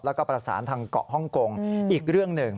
แล้วก็ประสานทางเกาะฮ่องกงอีกเรื่องหนึ่ง